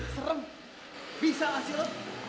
serem bisa gak sih lo